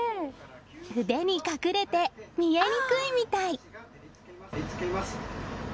腕に隠れて見えにくいみたい！